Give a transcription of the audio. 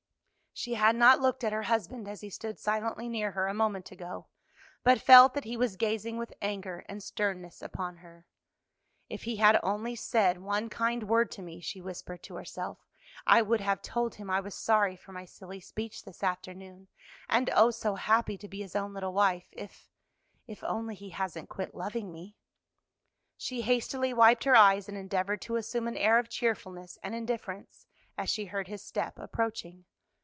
She had not looked at her husband as he stood silently near her a moment ago, but felt that he was gazing with anger and sternness upon her. "If he had only said one kind word to me," she whispered to herself, "I would have told him I was sorry for my silly speech this afternoon, and oh, so happy to be his own little wife, if if only he hasn't quit loving me." She hastily wiped her eyes and endeavored to assume an air of cheerfulness and indifference, as she heard his step approaching.